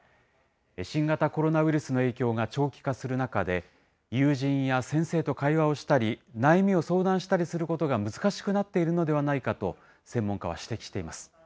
新型コロナウイルスの影響が長期化する中で、友人や先生と会話をしたり、悩みを相談したりすることが難しくなっているのではないかと、専門家は指摘しています。